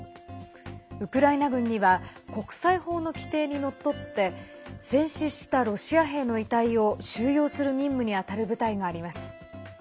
ウクライナ軍には国際法の規定にのっとって戦死したロシア兵の遺体を収容する任務に当たる部隊があります。